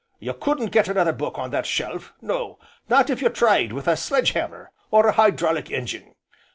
You couldn't get another book on that shelf no, not if you tried with a sledge hammer, or a hydraulic engine.